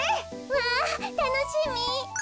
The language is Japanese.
わあたのしみ。